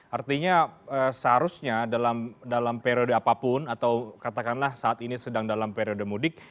artinya seharusnya dalam periode apapun atau katakanlah saat ini sedang dalam periode mudik